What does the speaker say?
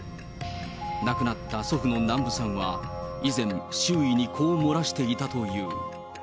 亡くなった祖父の南部さんは、以前、周囲にこう漏らしていたという。